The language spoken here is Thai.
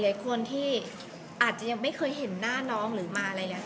หลายคนที่อาจจะยังไม่เคยเห็นหน้าน้องหรือมาอะไรเนี่ย